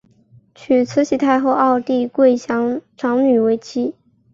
娶慈禧太后二弟桂祥长女为妻。